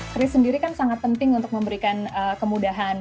kris sendiri kan sangat penting untuk memberikan kemudahan